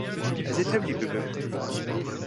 Ez ê tevlî bibim.